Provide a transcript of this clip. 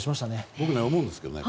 僕、思うんですけどね。